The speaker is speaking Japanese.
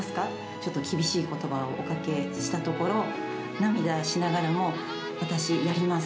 ちょっと厳しいことばをおかけしたところ、涙しながらも、私やります！